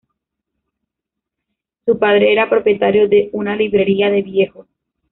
Su padre era propietario de una "librería de viejo".